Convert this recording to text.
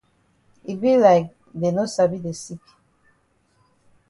E be like dey no sabi de sick.